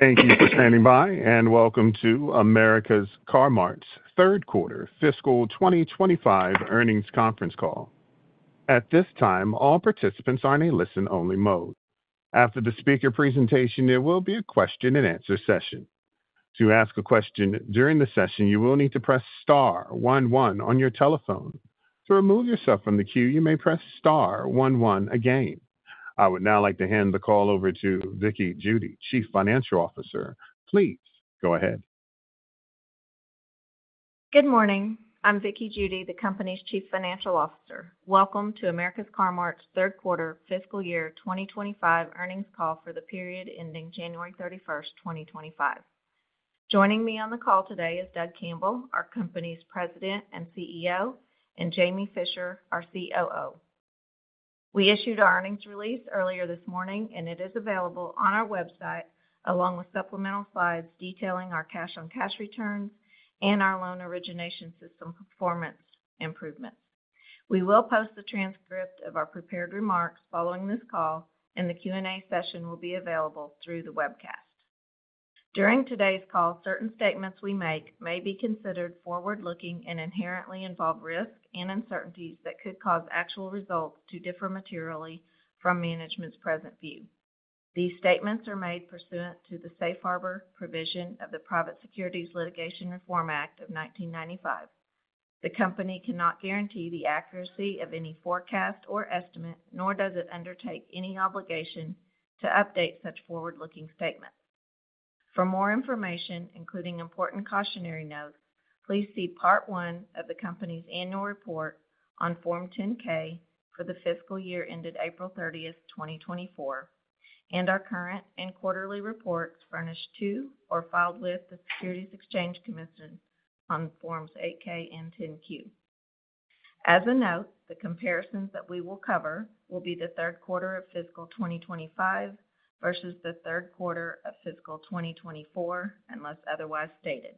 Thank you for standing by, and welcome to America's Car-Mart's Third Quarter Fiscal 2025 earnings conference call. At this time, all participants are in a listen-only mode. After the speaker presentation, there will be a question-and-answer session. To ask a question during the session, you will need to press star one one on your telephone. To remove yourself from the queue, you may press star one one again. I would now like to hand the call over to Vickie Judy, Chief Financial Officer. Please go ahead. Good morning. I'm Vickie Judy, the company's Chief Financial Officer. Welcome to America's Car-Mart's Third Quarter Fiscal Year 2025 earnings call for the period ending January 31, 2025. Joining me on the call today is Doug Campbell, our company's President and CEO, and Jamie Fischer, our COO. We issued our earnings release earlier this morning, and it is available on our website along with supplemental slides detailing our cash-on-cash returns and our loan origination system performance improvements. We will post the transcript of our prepared remarks following this call, and the Q&A session will be available through the webcast. During today's call, certain statements we make may be considered forward-looking and inherently involve risk and uncertainties that could cause actual results to differ materially from management's present view. These statements are made pursuant to the Safe Harbor Provision of the Private Securities Litigation Reform Act of 1995. The company cannot guarantee the accuracy of any forecast or estimate, nor does it undertake any obligation to update such forward-looking statements. For more information, including important cautionary notes, please see part one of the company's annual report on Form 10-K for the fiscal year ended April 30, 2024, and our current and quarterly reports furnished to or filed with the Securities and Exchange Commission on Forms 8-K and 10-Q. As a note, the comparisons that we will cover will be the third quarter of fiscal 2025 versus the third quarter of fiscal 2024, unless otherwise stated.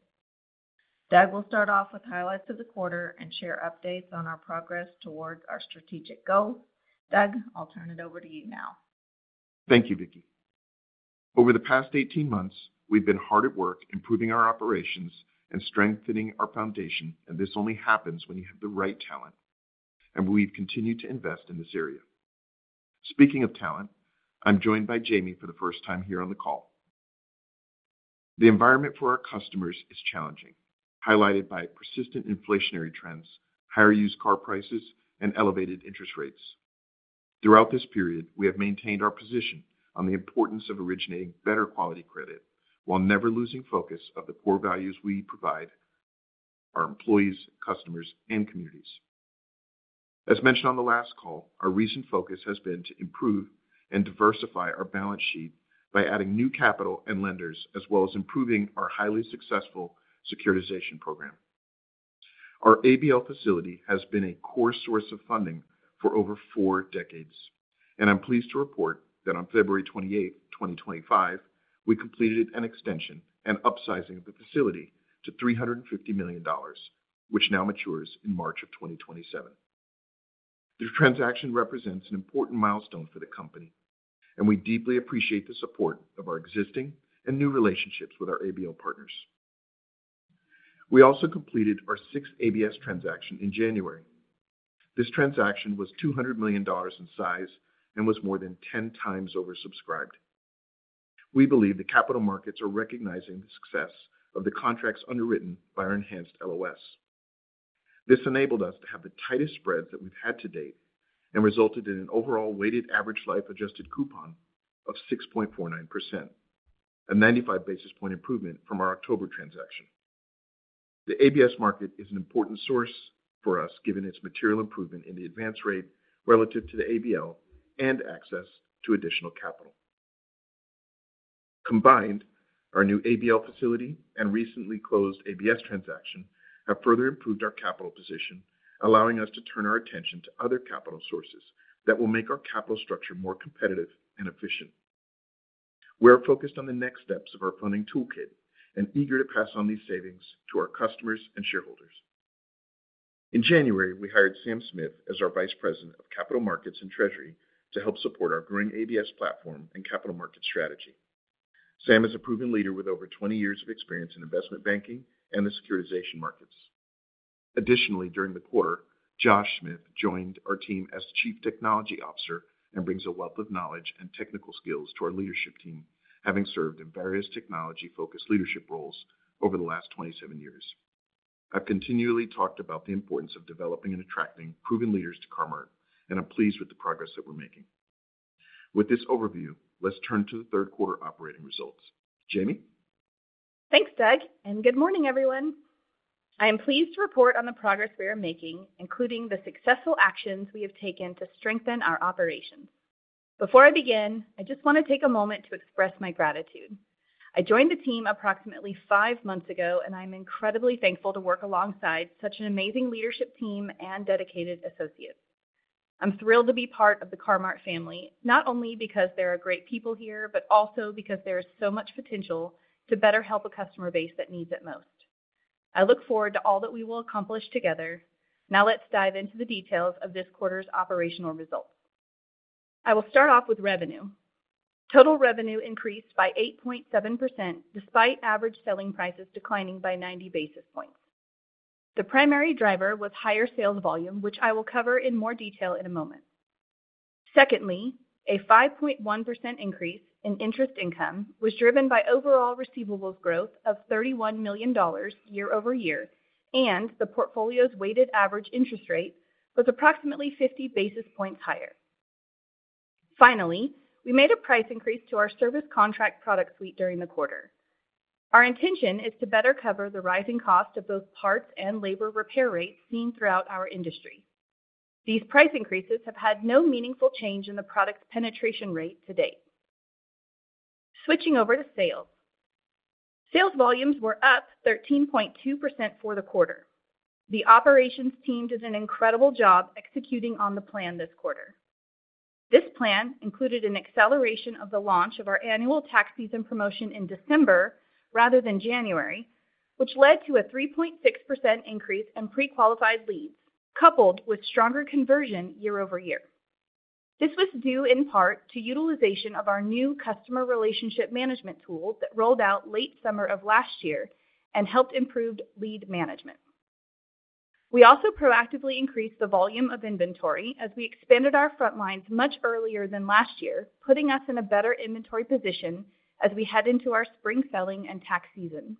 Doug will start off with highlights of the quarter and share updates on our progress towards our strategic goals. Doug, I'll turn it over to you now. Thank you, Vickie. Over the past 18 months, we've been hard at work improving our operations and strengthening our foundation, and this only happens when you have the right talent, and we've continued to invest in this area. Speaking of talent, I'm joined by Jamie for the first time here on the call. The environment for our customers is challenging, highlighted by persistent inflationary trends, higher used car prices, and elevated interest rates. Throughout this period, we have maintained our position on the importance of originating better quality credit while never losing focus on the core values we provide our employees, customers, and communities. As mentioned on the last call, our recent focus has been to improve and diversify our balance sheet by adding new capital and lenders, as well as improving our highly successful securitization program. Our ABL Facility has been a core source of funding for over four decades, and I'm pleased to report that on February 28, 2025, we completed an extension and upsizing of the facility to $350 million, which now matures in March of 2027. The transaction represents an important milestone for the company, and we deeply appreciate the support of our existing and new relationships with our ABL partners. We also completed our sixth ABS transaction in January. This transaction was $200 million in size and was more than 10 times oversubscribed. We believe the capital markets are recognizing the success of the contracts underwritten by our enhanced LOS. This enabled us to have the tightest spreads that we've had to date and resulted in an overall weighted average life-adjusted coupon of 6.49%, a 95 basis point improvement from our October transaction. The ABS market is an important source for us, given its material improvement in the advance rate relative to the ABL and access to additional capital. Combined, our new ABL Facility and recently closed ABS transaction have further improved our capital position, allowing us to turn our attention to other capital sources that will make our capital structure more competitive and efficient. We are focused on the next steps of our funding toolkit and eager to pass on these savings to our customers and shareholders. In January, we hired Sam Smith as our Vice President of Capital Markets and Treasury to help support our growing ABS platform and capital market strategy. Sam is a proven leader with over 20 years of experience in investment banking and the securitization markets. Additionally, during the quarter, Josh Smith joined our team as Chief Technology Officer and brings a wealth of knowledge and technical skills to our leadership team, having served in various technology-focused leadership roles over the last 27 years. I've continually talked about the importance of developing and attracting proven leaders to Car-Mart, and I'm pleased with the progress that we're making. With this overview, let's turn to the third quarter operating results. Jamie? Thanks, Doug, and good morning, everyone. I am pleased to report on the progress we are making, including the successful actions we have taken to strengthen our operations. Before I begin, I just want to take a moment to express my gratitude. I joined the team approximately five months ago, and I'm incredibly thankful to work alongside such an amazing leadership team and dedicated associates. I'm thrilled to be part of the Car-Mart family, not only because there are great people here, but also because there is so much potential to better help a customer base that needs it most. I look forward to all that we will accomplish together. Now let's dive into the details of this quarter's operational results. I will start off with revenue. Total revenue increased by 8.7% despite average selling prices declining by 90 basis points. The primary driver was higher sales volume, which I will cover in more detail in a moment. Secondly, a 5.1% increase in interest income was driven by overall receivables growth of $31 million year-over-year, and the portfolio's weighted average interest rate was approximately 50 basis points higher. Finally, we made a price increase to our service contract product suite during the quarter. Our intention is to better cover the rising cost of both parts and labor repair rates seen throughout our industry. These price increases have had no meaningful change in the product's penetration rate to date. Switching over to sales. Sales volumes were up 13.2% for the quarter. The operations team did an incredible job executing on the plan this quarter. This plan included an acceleration of the launch of our annual tax season promotion in December rather than January, which led to a 3.6% increase in pre-qualified leads, coupled with stronger conversion year-over-year. This was due in part to utilization of our new customer relationship management tools that rolled out late summer of last year and helped improve lead management. We also proactively increased the volume of inventory as we expanded our front lines much earlier than last year, putting us in a better inventory position as we head into our spring selling and tax season.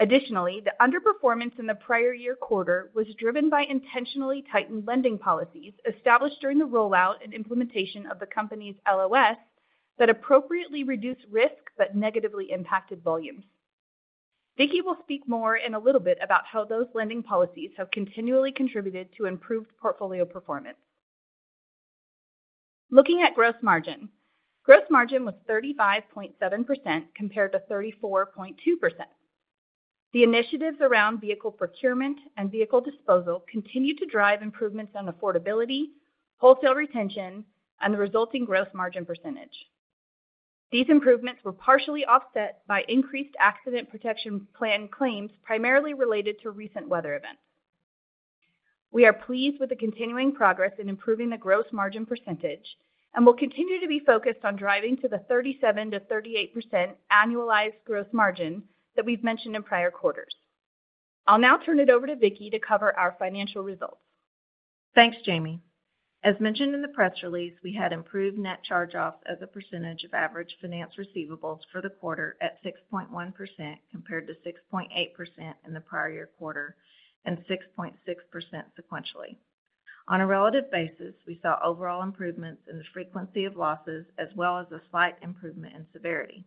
Additionally, the underperformance in the prior year quarter was driven by intentionally tightened lending policies established during the rollout and implementation of the company's LOS that appropriately reduced risk but negatively impacted volumes. Vickie will speak more in a little bit about how those lending policies have continually contributed to improved portfolio performance. Looking at gross margin, gross margin was 35.7% compared to 34.2%. The initiatives around vehicle procurement and vehicle disposal continue to drive improvements on affordability, wholesale retention, and the resulting gross margin percentage. These improvements were partially offset by increased Accident Protection Plan claims primarily related to recent weather events. We are pleased with the continuing progress in improving the gross margin percentage and will continue to be focused on driving to the 37%-38% annualized gross margin that we've mentioned in prior quarters. I'll now turn it over to Vickie to cover our financial results. Thanks, Jamie. As mentioned in the press release, we had improved net charge-offs as a percentage of average finance receivables for the quarter at 6.1% compared to 6.8% in the prior year quarter and 6.6% sequentially. On a relative basis, we saw overall improvements in the frequency of losses as well as a slight improvement in severity.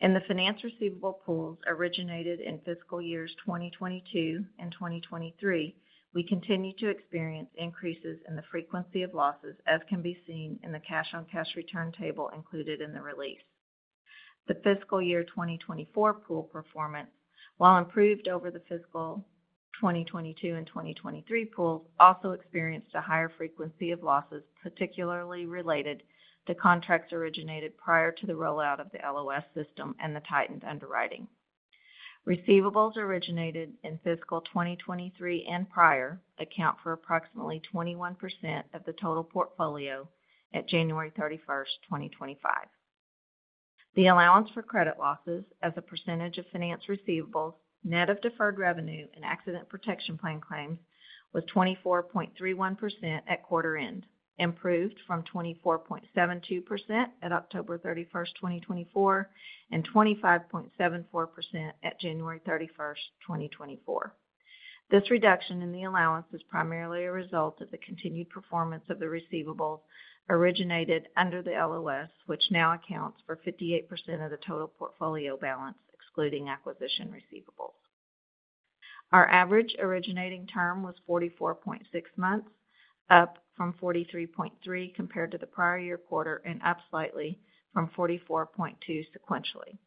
In the finance receivable pools originated in fiscal years 2022 and 2023, we continue to experience increases in the frequency of losses, as can be seen in the cash-on-cash return table included in the release. The fiscal year 2024 pool performance, while improved over the fiscal 2022 and 2023 pools, also experienced a higher frequency of losses, particularly related to contracts originated prior to the rollout of the LOS system and the tightened underwriting. Receivables originated in fiscal 2023 and prior account for approximately 21% of the total portfolio at January 31st, 2025. The allowance for credit losses as a percentage of finance receivables, net of deferred revenue and accident protection plan claims, was 24.31% at quarter end, improved from 24.72% at October 31, 2024, and 25.74% at January 31st, 2024. This reduction in the allowance is primarily a result of the continued performance of the receivables originated under the LOS, which now accounts for 58% of the total portfolio balance, excluding acquisition receivables. Our average originating term was 44.6 months, up from 43.3 compared to the prior year quarter and up slightly from 44.2 sequentially.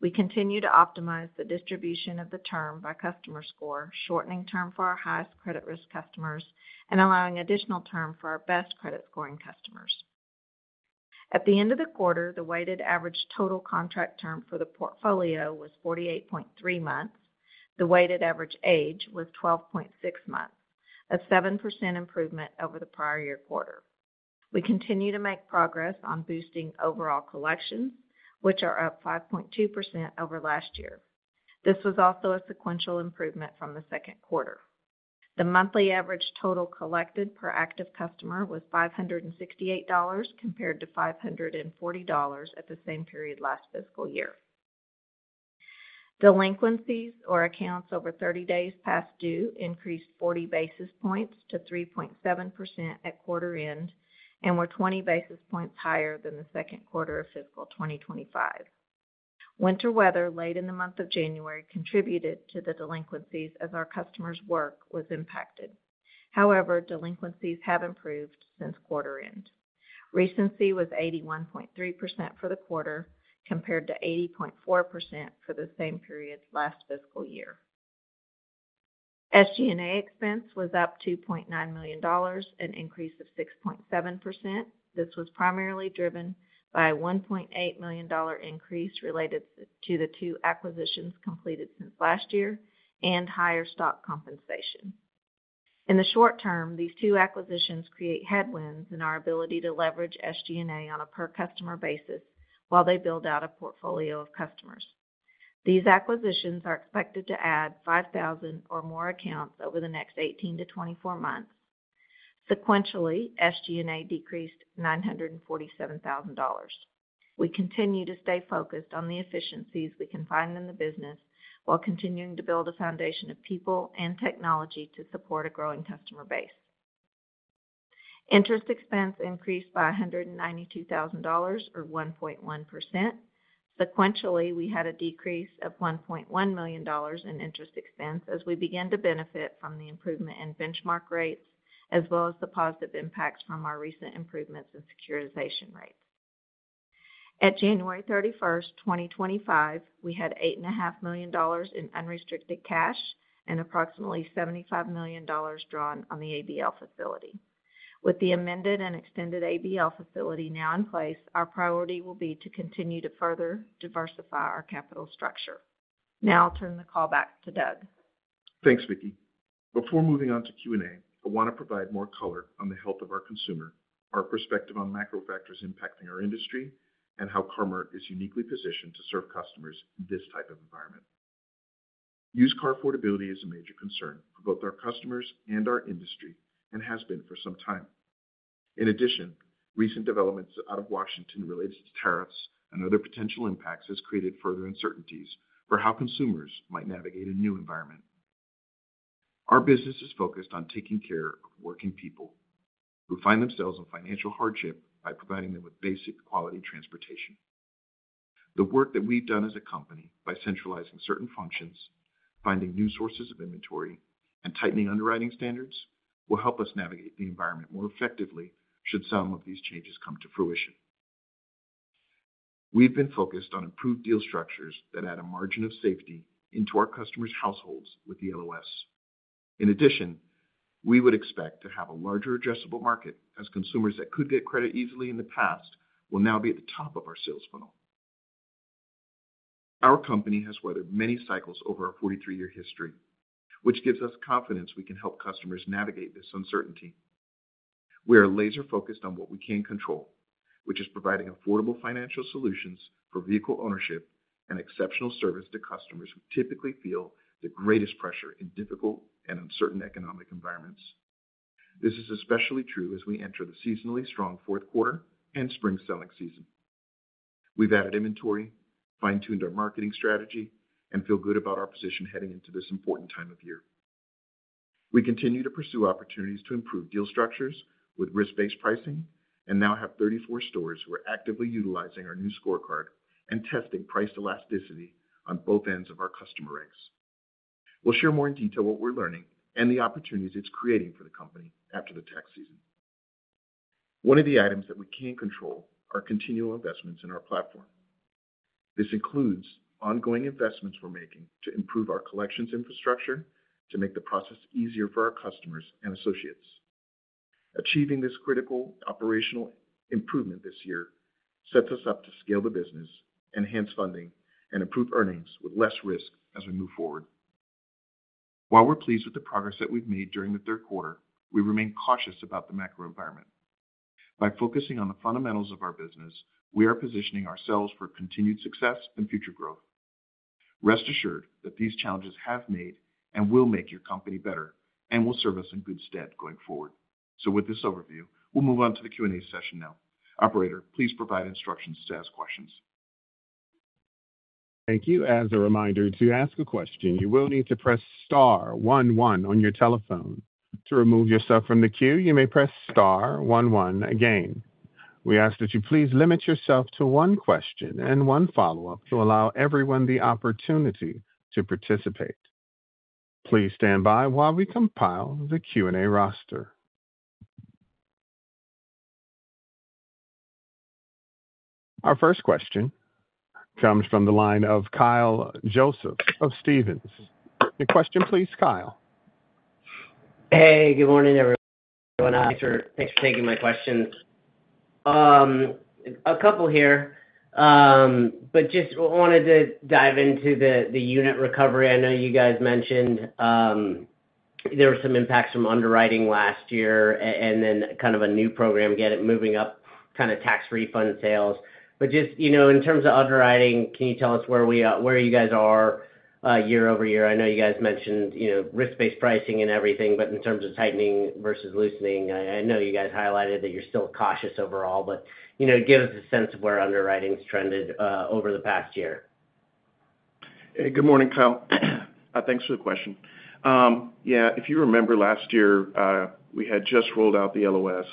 We continue to optimize the distribution of the term by customer score, shortening term for our highest credit risk customers and allowing additional term for our best credit scoring customers. At the end of the quarter, the weighted average total contract term for the portfolio was 48.3 months. The weighted average age was 12.6 months, a 7% improvement over the prior year quarter. We continue to make progress on boosting overall collections, which are up 5.2% over last year. This was also a sequential improvement from the second quarter. The monthly average total collected per active customer was $568 compared to $540 at the same period last fiscal year. Delinquencies or accounts over 30 days past due increased 40 basis points to 3.7% at quarter end and were 20 basis points higher than the second quarter of fiscal 2025. Winter weather late in the month of January contributed to the delinquencies as our customers' work was impacted. However, delinquencies have improved since quarter end. Recency was 81.3% for the quarter compared to 80.4% for the same period last fiscal year. SG&A expense was up $2.9 million, an increase of 6.7%. This was primarily driven by a $1.8 million increase related to the two acquisitions completed since last year and higher stock compensation. In the short term, these two acquisitions create headwinds in our ability to leverage SG&A on a per-customer basis while they build out a portfolio of customers. These acquisitions are expected to add 5,000 or more accounts over the next 18 months-24 months. Sequentially, SG&A decreased $947,000. We continue to stay focused on the efficiencies we can find in the business while continuing to build a foundation of people and technology to support a growing customer base. Interest expense increased by $192,000 or 1.1%. Sequentially, we had a decrease of $1.1 million in interest expense as we began to benefit from the improvement in benchmark rates, as well as the positive impacts from our recent improvements in securitization rates. At January 31, 2025, we had $8.5 million in unrestricted cash and approximately $75 million drawn on the ABL Facility. With the amended and extended ABL Facility now in place, our priority will be to continue to further diversify our capital structure. Now I'll turn the call back to Doug. Thanks, Vickie. Before moving on to Q&A, I want to provide more color on the health of our consumer, our perspective on macro factors impacting our industry, and how Car-Mart is uniquely positioned to serve customers in this type of environment. Used car affordability is a major concern for both our customers and our industry and has been for some time. In addition, recent developments out of Washington related to tariffs and other potential impacts have created further uncertainties for how consumers might navigate a new environment. Our business is focused on taking care of working people who find themselves in financial hardship by providing them with basic quality transportation. The work that we've done as a company by centralizing certain functions, finding new sources of inventory, and tightening underwriting standards will help us navigate the environment more effectively should some of these changes come to fruition. We've been focused on improved deal structures that add a margin of safety into our customers' households with the LOS. In addition, we would expect to have a larger addressable market as consumers that could get credit easily in the past will now be at the top of our sales funnel. Our company has weathered many cycles over our 43 year history, which gives us confidence we can help customers navigate this uncertainty. We are laser-focused on what we can control, which is providing affordable financial solutions for vehicle ownership and exceptional service to customers who typically feel the greatest pressure in difficult and uncertain economic environments. This is especially true as we enter the seasonally strong fourth quarter and spring selling season. We've added inventory, fine-tuned our marketing strategy, and feel good about our position heading into this important time of year. We continue to pursue opportunities to improve deal structures with risk-based pricing and now have 34 stores who are actively utilizing our new scorecard and testing price elasticity on both ends of our customer ranks. We'll share more in detail what we're learning and the opportunities it's creating for the company after the tax season. One of the items that we can control are continual investments in our platform. This includes ongoing investments we're making to improve our collections infrastructure to make the process easier for our customers and associates. Achieving this critical operational improvement this year sets us up to scale the business, enhance funding, and improve earnings with less risk as we move forward. While we're pleased with the progress that we've made during the third quarter, we remain cautious about the macro environment. By focusing on the fundamentals of our business, we are positioning ourselves for continued success and future growth. Rest assured that these challenges have made and will make your company better and will serve us in good stead going forward. With this overview, we'll move on to the Q&A session now. Operator, please provide instructions to ask questions. Thank you. As a reminder, to ask a question, you will need to press star one one on your telephone. To remove yourself from the queue, you may press star one one again. We ask that you please limit yourself to one question and one follow-up to allow everyone the opportunity to participate. Please stand by while we compile the Q&A roster. Our first question comes from the line of Kyle Joseph of Stephens. Your question, please, Kyle. Hey, good morning, everyone. Thanks for taking my questions. A couple here, but just wanted to dive into the unit recovery. I know you guys mentioned there were some impacts from underwriting last year and then kind of a new program, moving up kind of tax refund sales. Just in terms of underwriting, can you tell us where you guys are year-over-year? I know you guys mentioned risk-based pricing and everything, but in terms of tightening versus loosening, I know you guys highlighted that you're still cautious overall, but give us a sense of where underwriting's trended over the past year. Hey, good morning, Kyle. Thanks for the question. Yeah, if you remember last year, we had just rolled out the LOS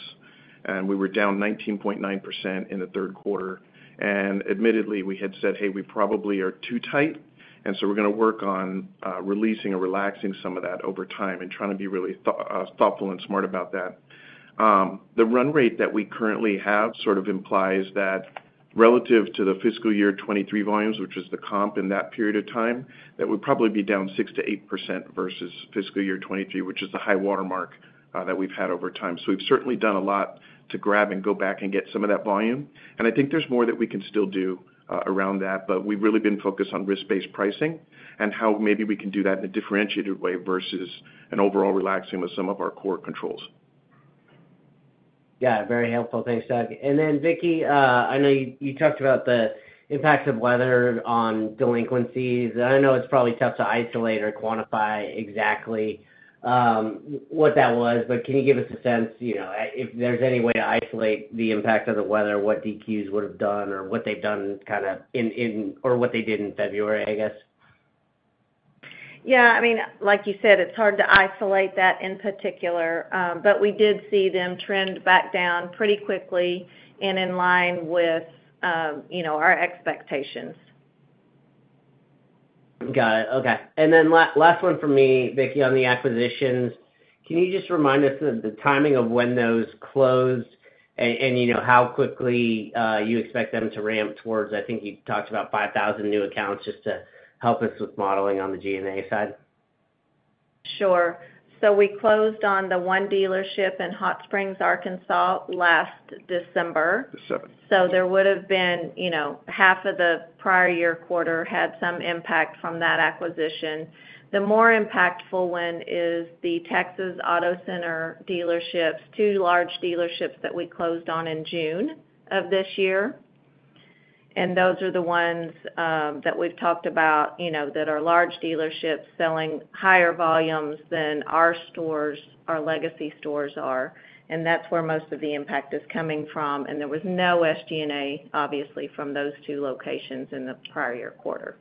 and we were down 19.9% in the third quarter. Admittedly, we had said, "Hey, we probably are too tight." We are going to work on releasing or relaxing some of that over time and trying to be really thoughtful and smart about that. The run rate that we currently have sort of implies that relative to the fiscal year 2023 volumes, which was the comp in that period of time, that we'd probably be down 6%-8% versus fiscal year 2023, which is the high watermark that we've had over time. We have certainly done a lot to grab and go back and get some of that volume. I think there's more that we can still do around that, but we've really been focused on risk-based pricing and how maybe we can do that in a differentiated way versus an overall relaxing with some of our core controls. Yeah, very helpful. Thanks, Doug. Vickie, I know you talked about the impacts of weather on delinquencies. I know it's probably tough to isolate or quantify exactly what that was, but can you give us a sense if there's any way to isolate the impact of the weather, what DQs would have done or what they've done in or what they did in February, I guess? Yeah. I mean, like you said, it's hard to isolate that in particular, but we did see them trend back down pretty quickly and in line with our expectations. Got it. Okay. Last one for me, Vickie, on the acquisitions. Can you just remind us of the timing of when those closed and how quickly you expect them to ramp towards? I think you talked about 5,000 new accounts just to help us with modeling on the G&A side. Sure. We closed on the one dealership in Hot Springs, Arkansas, last December. There would have been half of the prior year quarter had some impact from that acquisition. The more impactful one is the Texas Auto Center dealerships, two large dealerships that we closed on in June of this year. Those are the ones that we've talked about that are large dealerships selling higher volumes than our stores, our legacy stores are. That is where most of the impact is coming from. There was no SG&A, obviously, from those two locations in the prior year quarter.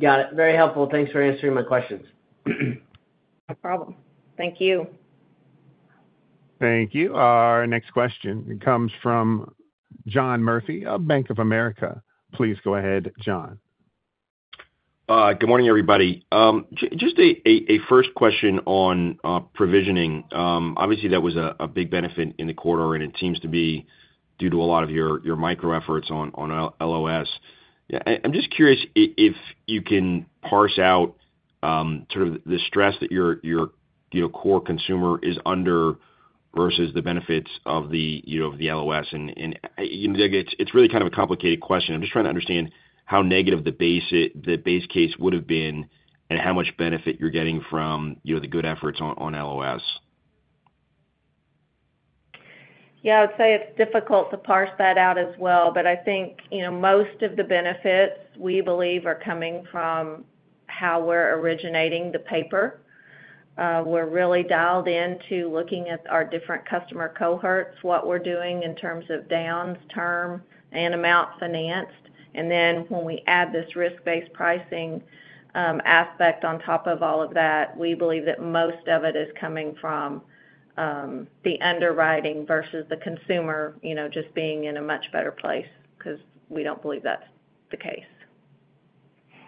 Got it. Very helpful. Thanks for answering my questions. No problem. Thank you. Thank you. Our next question comes from John Murphy of Bank of America. Please go ahead, John. Good morning, everybody. Just a first question on provisioning. Obviously, that was a big benefit in the quarter, and it seems to be due to a lot of your micro efforts on LOS. Yeah, I'm just curious if you can parse out sort of the stress that your core consumer is under versus the benefits of the LOS. It's really kind of a complicated question. I'm just trying to understand how negative the base case would have been and how much benefit you're getting from the good efforts on LOS. Yeah, I would say it's difficult to parse that out as well, but I think most of the benefits we believe are coming from how we're originating the paper. We're really dialed into looking at our different customer cohorts, what we're doing in terms of downs, term, and amount financed. When we add this risk-based pricing aspect on top of all of that, we believe that most of it is coming from the underwriting versus the consumer just being in a much better place because we don't believe that's the case.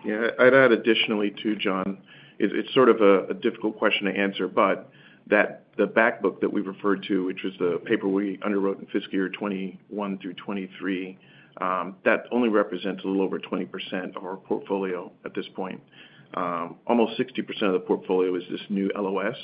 Yeah. I'd add additionally too, John, it's sort of a difficult question to answer, but the backbook that we referred to, which was the paper we underwrote in fiscal year 2021 through 2023, that only represents a little over 20% of our portfolio at this point. Almost 60% of the portfolio is this new LOS,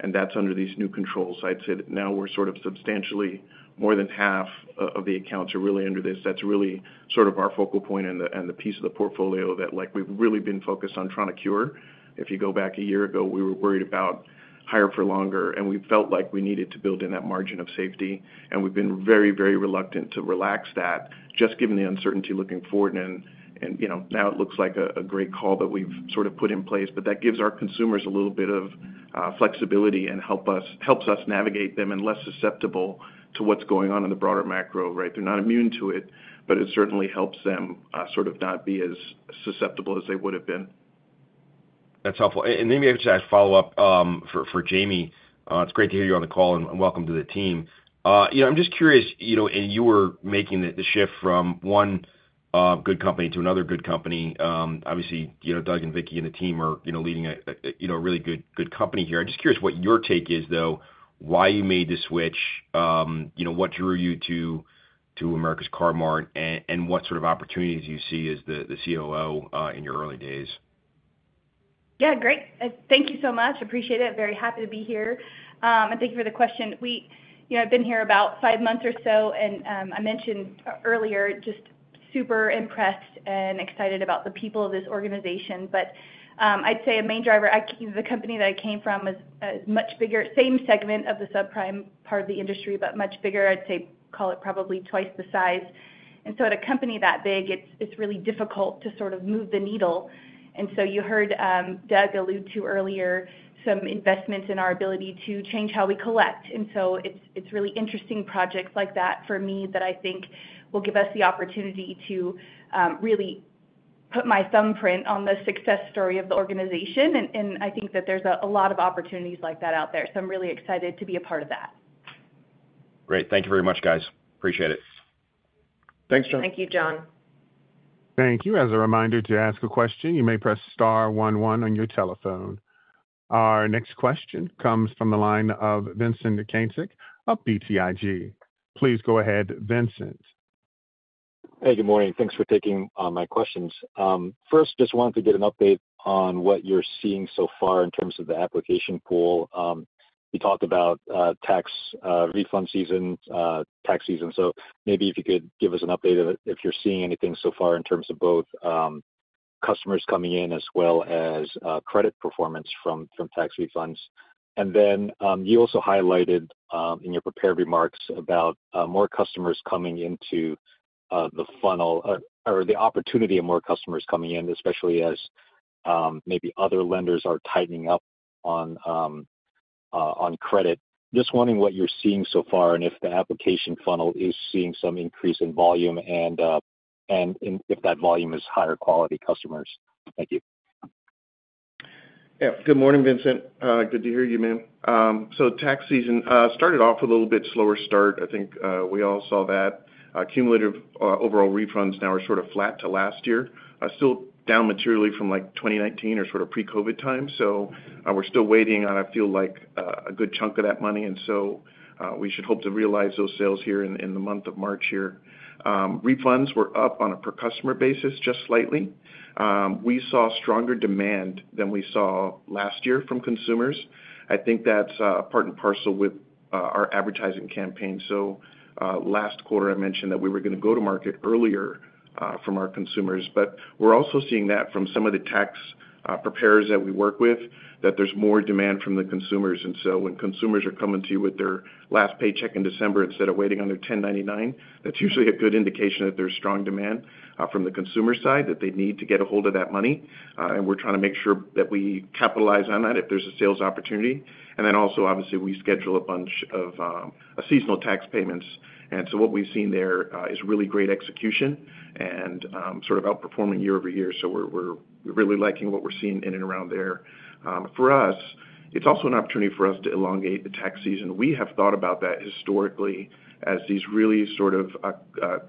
and that's under these new controls. I'd say that now we're sort of substantially more than half of the accounts are really under this. That's really sort of our focal point and the piece of the portfolio that we've really been focused on trying to cure. If you go back a year ago, we were worried about higher for longer, and we felt like we needed to build in that margin of safety. We've been very, very reluctant to relax that just given the uncertainty looking forward. It looks like a great call that we've sort of put in place, but that gives our consumers a little bit of flexibility and helps us navigate them and less susceptible to what's going on in the broader macro, right? They're not immune to it, but it certainly helps them sort of not be as susceptible as they would have been. That's helpful. Maybe I have to ask a follow-up for Jamie. It's great to hear you on the call and welcome to the team. I'm just curious, you were making the shift from one good company to another good company. Obviously, Doug and Vickie and the team are leading a really good company here. I'm just curious what your take is, though, why you made the switch, what drew you to America's Car-Mart, and what sort of opportunities you see as the COO in your early days. Yeah, great. Thank you so much. Appreciate it. Very happy to be here. Thank you for the question. I've been here about five months or so, and I mentioned earlier, just super impressed and excited about the people of this organization. I'd say a main driver, the company that I came from is much bigger, same segment of the subprime part of the industry, but much bigger. I'd say call it probably twice the size. At a company that big, it's really difficult to sort of move the needle. You heard Doug allude to earlier some investments in our ability to change how we collect. It's really interesting projects like that for me that I think will give us the opportunity to really put my thumbprint on the success story of the organization. I think that there's a lot of opportunities like that out there. I'm really excited to be a part of that. Great. Thank you very much, guys. Appreciate it. Thanks, John. Thank you, John. Thank you. As a reminder to ask a question, you may press star one one on your telephone. Our next question comes from the line of Vincent Caintic of BTIG. Please go ahead, Vincent. Hey, good morning. Thanks for taking my questions. First, just wanted to get an update on what you're seeing so far in terms of the application pool. We talked about tax refund season, tax season. Maybe if you could give us an update if you're seeing anything so far in terms of both customers coming in as well as credit performance from tax refunds. You also highlighted in your prepared remarks about more customers coming into the funnel or the opportunity of more customers coming in, especially as maybe other lenders are tightening up on credit. Just wondering what you're seeing so far and if the application funnel is seeing some increase in volume and if that volume is higher quality customers. Thank you. Yeah. Good morning, Vincent. Good to hear you, man. Tax season started off a little bit slower start. I think we all saw that. Cumulative overall refunds now are sort of flat to last year. Still down materially from like 2019 or sort of pre-COVID time. We are still waiting on, I feel like, a good chunk of that money. We should hope to realize those sales here in the month of March here. Refunds were up on a per-customer basis just slightly. We saw stronger demand than we saw last year from consumers. I think that's part and parcel with our advertising campaign. Last quarter, I mentioned that we were going to go to market earlier from our consumers. We are also seeing that from some of the tax preparers that we work with, that there is more demand from the consumers. When consumers are coming to you with their last paycheck in December instead of waiting on their 1099, that's usually a good indication that there's strong demand from the consumer side that they need to get a hold of that money. We're trying to make sure that we capitalize on that if there's a sales opportunity. Also, obviously, we schedule a bunch of seasonal tax payments. What we've seen there is really great execution and sort of outperforming year-over-year. We're really liking what we're seeing in and around there. For us, it's also an opportunity for us to elongate the tax season. We have thought about that historically as these really sort of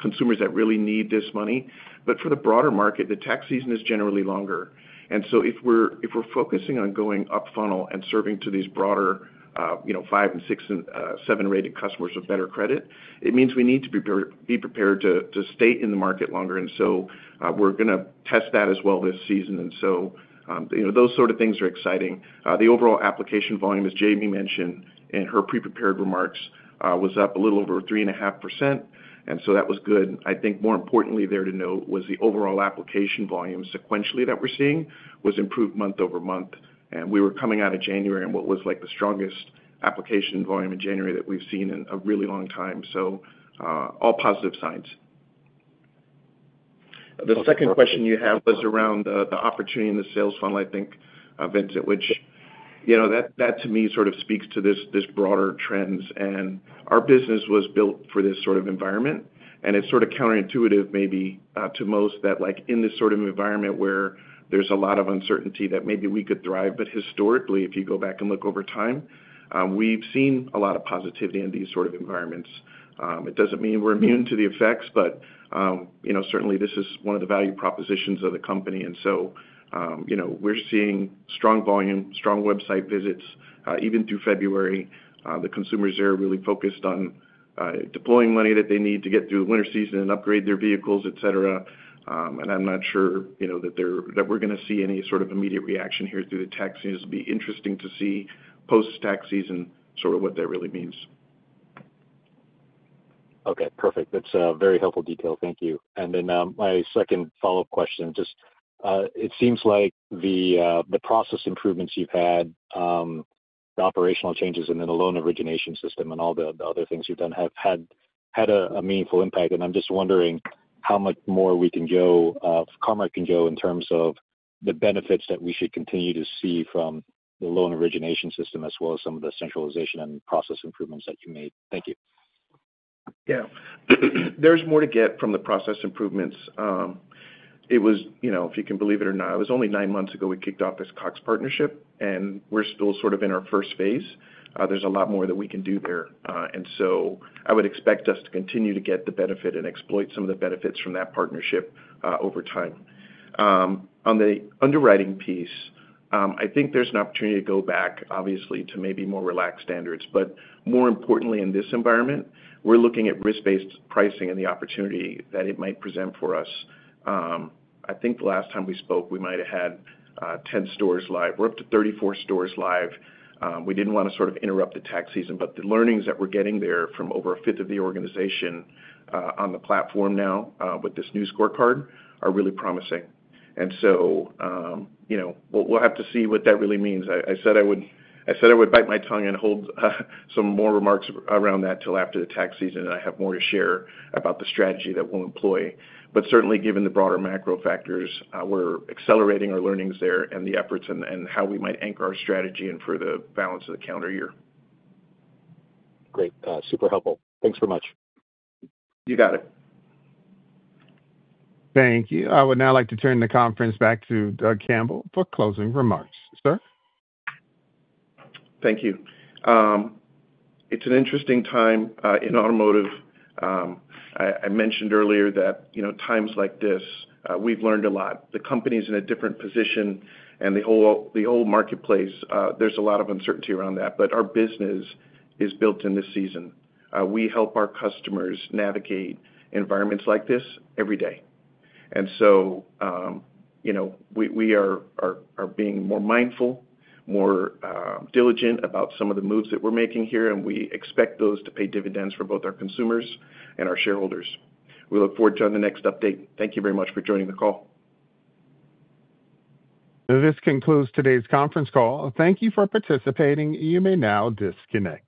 consumers that really need this money. For the broader market, the tax season is generally longer. If we're focusing on going up funnel and serving to these broader five and six and seven-rated customers with better credit, it means we need to be prepared to stay in the market longer. We're going to test that as well this season. Those sort of things are exciting. The overall application volume, as Jamie mentioned in her pre-prepared remarks, was up a little over 3.5%. That was good. I think more importantly there to note was the overall application volume sequentially that we're seeing was improved month over month. We were coming out of January in what was like the strongest application volume in January that we've seen in a really long time. All positive signs. The second question you have was around the opportunity in the sales funnel, I think, Vincent, which that to me sort of speaks to this broader trends. Our business was built for this sort of environment. It is sort of counterintuitive maybe to most that in this sort of environment where there's a lot of uncertainty that maybe we could thrive. Historically, if you go back and look over time, we've seen a lot of positivity in these sort of environments. It does not mean we're immune to the effects, but certainly this is one of the value propositions of the company. We are seeing strong volume, strong website visits. Even through February, the consumers are really focused on deploying money that they need to get through the winter season and upgrade their vehicles, etc. I'm not sure that we're going to see any sort of immediate reaction here through the tax season. It'll be interesting to see post-tax season sort of what that really means. Okay. Perfect. That's a very helpful detail. Thank you. My second follow-up question, just it seems like the process improvements you've had, the operational changes, and then the loan origination system and all the other things you've done have had a meaningful impact. I'm just wondering how much more we can go, Car-Mart can go in terms of the benefits that we should continue to see from the loan origination system as well as some of the centralization and process improvements that you made. Thank you. Yeah. There's more to get from the process improvements. It was, if you can believe it or not, it was only nine months ago we kicked off this Cox partnership, and we're still sort of in our first phase. There's a lot more that we can do there. I would expect us to continue to get the benefit and exploit some of the benefits from that partnership over time. On the underwriting piece, I think there's an opportunity to go back, obviously, to maybe more relaxed standards. More importantly, in this environment, we're looking at risk-based pricing and the opportunity that it might present for us. I think the last time we spoke, we might have had 10 stores live. We're up to 34 stores live. We did not want to sort of interrupt the tax season, but the learnings that we are getting there from over a fifth of the organization on the platform now with this new scorecard are really promising. We will have to see what that really means. I said I would bite my tongue and hold some more remarks around that till after the tax season, and I have more to share about the strategy that we will employ. Certainly, given the broader macro factors, we are accelerating our learnings there and the efforts and how we might anchor our strategy for the balance of the calendar year. Great. Super helpful. Thanks very much. You got it. Thank you. I would now like to turn the conference back to Doug Campbell for closing remarks. Sir? Thank you. It's an interesting time in automotive. I mentioned earlier that times like this, we've learned a lot. The company is in a different position and the whole marketplace, there's a lot of uncertainty around that. Our business is built in this season. We help our customers navigate environments like this every day. We are being more mindful, more diligent about some of the moves that we're making here, and we expect those to pay dividends for both our consumers and our shareholders. We look forward to the next update. Thank you very much for joining the call. This concludes today's conference call. Thank you for participating. You may now disconnect.